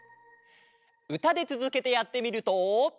うたでつづけてやってみると。